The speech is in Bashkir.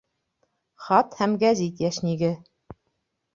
Хат һәм гәзит йәшниге